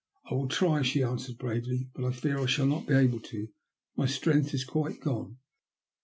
" I will try," she answered, bravely ;" but I fear I shall not be able to. My strength is quite gone."